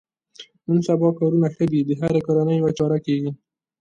نن سبا کارونه ښه دي د هرې کورنۍ یوه چاره کېږي.